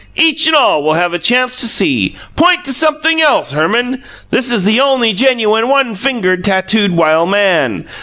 Each and all will have a chance to see. Point to sumpthing else, Herman. This is the only genuine one fingered tattooed wild man.